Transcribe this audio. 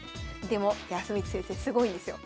でも康光先生すごいんですよ。